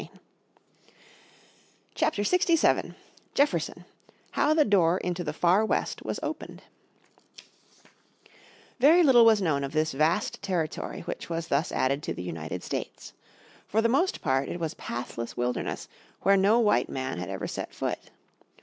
__________ Chapter 67 Jefferson How the Door Into the Far West was Opened Very little was known of this vast territory which was thus added to the United States. For the most part it was pathless wilderness where no white man had ever set foot.